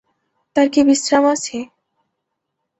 তার কি বিশ্রাম আছে।